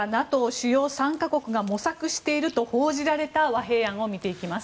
主要３か国が模索していると報じられた和平案を見ていきます。